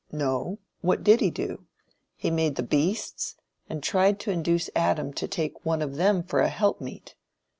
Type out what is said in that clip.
No. What did he do? He made the beasts, and tried to induce Adam to take one of them for "an helpmeet."